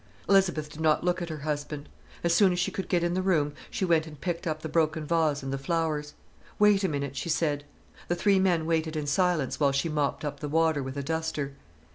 Elizabeth did not look at her husband. As soon as she could get in the room, she went and picked up the broken vase and the flowers. "Wait a minute!" she said. The three men waited in silence while she mopped up the water with a duster.